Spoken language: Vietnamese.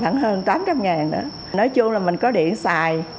nói chung là mình có điện xài